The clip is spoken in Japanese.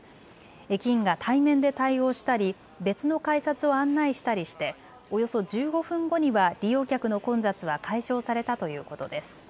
駅員が対面で対応したり別の改札を案内したりしておよそ１５分後には利用客の混雑は解消されたということです。